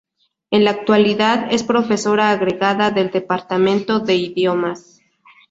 En la actualidad es profesora agregada del departamento de Idiomas.